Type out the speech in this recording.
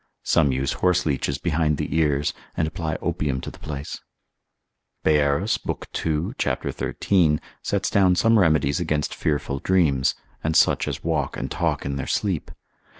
Some use horseleeches behind the ears, and apply opium to the place. Bayerus lib. 2. c. 13. sets down some remedies against fearful dreams, and such as walk and talk in their sleep.